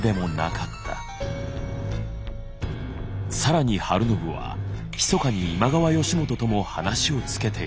更に晴信はひそかに今川義元とも話をつけていた。